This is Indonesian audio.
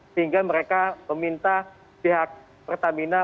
sehingga mereka meminta pihak pertamina